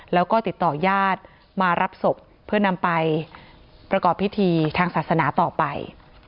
แล้วก็ติดต่อญาติมารับศพเพื่อนำไปประกอบพิธีทางศาสนาต่อไป